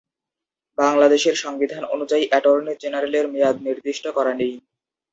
বাংলাদেশের সংবিধান অনুযায়ী অ্যাটর্নি জেনারেলের মেয়াদ নির্দিষ্ট করা নেই।